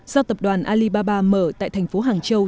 do tập đoàn alibaba mở tại thành phố hàng châu